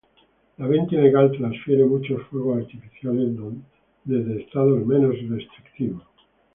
La venta ilegal transfiere muchos fuegos artificiales desde estados menos restrictivos.